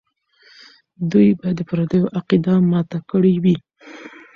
دوی به د پردیو عقیده ماته کړې وي.